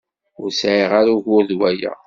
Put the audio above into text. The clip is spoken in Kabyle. Ur sɛiɣ ara ugur d waya.